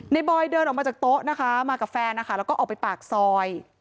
บอยเดินออกมาจากโต๊ะนะคะมากับแฟนนะคะแล้วก็ออกไปปากซอย